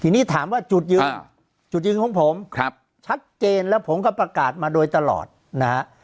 ทีนี้ถามว่าจุดยืนจุดยืนของผมชัดเจนแล้วผมก็ประกาศมาโดยตลอดนะฮะ